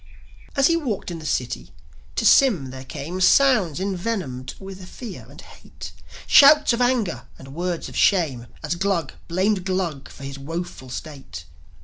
As he walked in the city, to Sym there came Sounds envenomed with fear and hate, Shouts of anger and words of shame, As Glug blamed Glug for his woeful state.